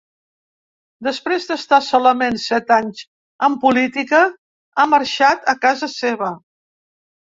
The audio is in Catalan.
Després d’estar solament set anys en política, ha marxat a casa seva.